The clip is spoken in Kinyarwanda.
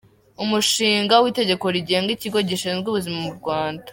Umushinga w’Itegeko rigenga Ikigo gishinzwe Ubuzima mu Rwanda.